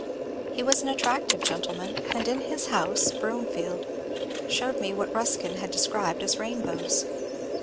He was an attractive gentleman, and in his house, Broomfield, showed me what Ruskin had described as rainbows.